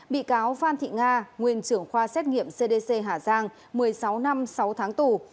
bị cáo phan thị nga nguyên trưởng khoa xét nghiệm cdc hà giang một mươi sáu năm sáu tháng tù